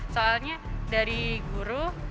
soalnya dari guru